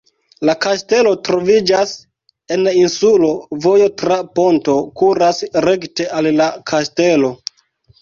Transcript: La kastelo troviĝas en insulo, vojo tra ponto kuras rekte al la kastelo.